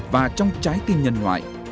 và trong trái tim nhân hoại